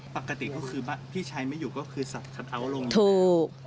ปกติก็คือพี่ชายไม่อยู่ก็คือสัดอาวุธลง